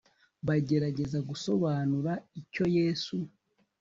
bagerageza gusobanura icyo yesu